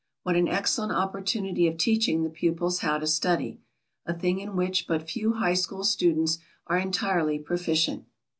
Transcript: What an excellent opportunity of teaching the pupils how to study, a thing in which but few high school students are entirely proficient.